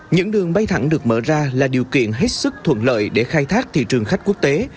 những đường bay thẳng được mở ra là điều kiện hết sức thuận lợi để khai thác thị trường khách quốc tế